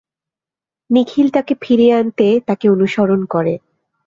নিখিল তাকে ফিরিয়ে আনতে তাকে অনুসরণ করে।